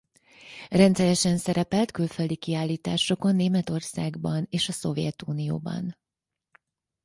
Rendszeresen szerepelt külföldi kiállításokon Németországban és a Szovjetunióban.